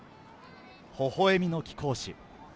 ほほ笑みの貴公子。